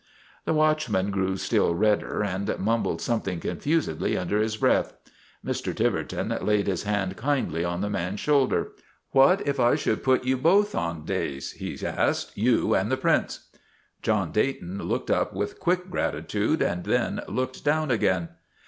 The watchman grew still redder and mumbled something confusedly under his breath. Mr. Tiver ton laid his hand kindly on the man's shoulder. "What if I should put you both on days?' he asked. "You and the Prince?' John Dayton looked up with quick gratitude and then looked down again.